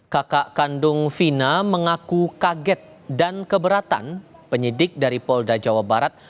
kakak kandung vina mengaku kaget dan keberatan penyidik dari polda jawa barat